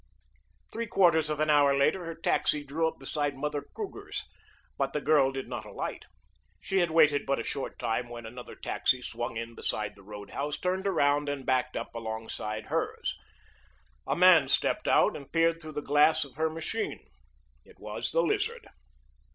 Three quarters of an hour later her taxi drew up beside Mother Kruger's, but the girl did not alight. She had waited but a short time when another taxi swung in beside the road house, turned around and backed up alongside hers. A man stepped out and peered through the glass of her machine. It was the Lizard.